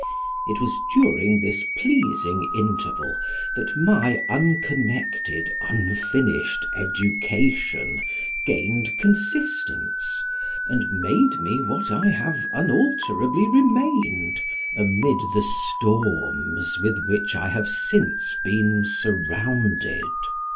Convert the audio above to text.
It was during this pleasing interval, that my unconnected, unfinished education, gained consistence, and made me what I have unalterably remained amid the storms with which I have since been surrounded.